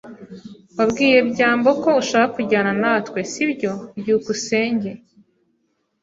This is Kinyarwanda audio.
Wabwiye byambo ko ushaka kujyana natwe, sibyo? byukusenge